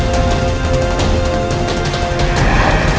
tapi wisnu pacara aku